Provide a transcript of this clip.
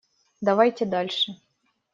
Давайте дальше.